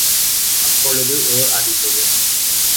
அப்பொழுது ஒர் அதிசயம்!